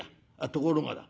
ところがだ